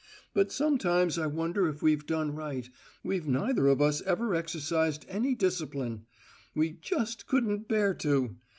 But sometimes I wonder if we've done right: we've neither of us ever exercised any discipline. We just couldn't bear to.